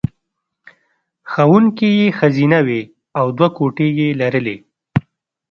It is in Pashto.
ښوونکې یې ښځینه وې او دوه کوټې یې لرلې